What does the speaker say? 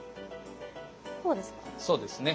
こうですか？